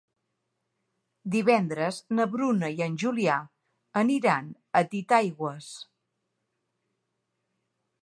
Divendres na Bruna i en Julià aniran a Titaigües.